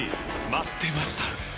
待ってました！